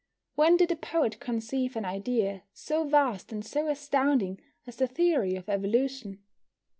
When did a poet conceive an idea so vast and so astounding as the theory of evolution?